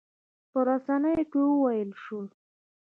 په رسنیو کې وویل شول.